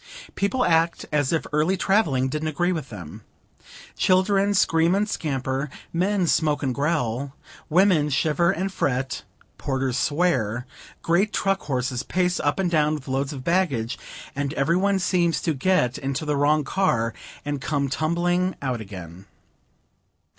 People act as if early traveling didn't agree with them. Children scream and scamper; men smoke and growl; women shiver and fret; porters swear; great truck horses pace up and down with loads of baggage; and every one seems to get into the wrong car, and come tumbling out again.